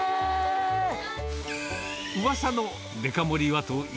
うわさのデカ盛りはとい